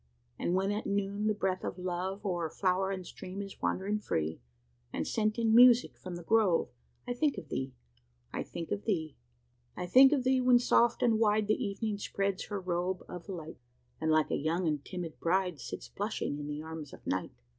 And when at noon the breath of love O'er flower and stream is wandering free, And sent in music from the grove I think of thee I think of thee! "I think of thee, when soft and wide The Evening spreads her robe of light, And like a young and timid bride, Sits blushing in the arms of Night.